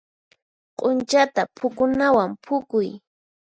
Q'unchata phukunawan phukuy.